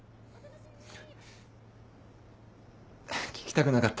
聞きたくなかった。